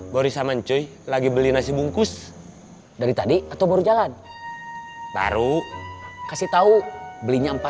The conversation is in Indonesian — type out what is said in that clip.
jangan lupa like share dan subscribe ya